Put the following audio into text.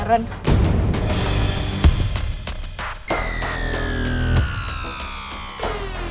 pangeran dituduh culik pangeran